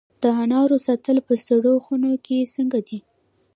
د انارو ساتل په سړو خونو کې څنګه دي؟